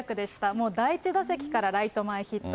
もう第１打席からライト前ヒット。